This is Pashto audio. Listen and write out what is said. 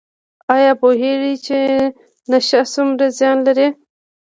ایا پوهیږئ چې نشه څومره زیان لري؟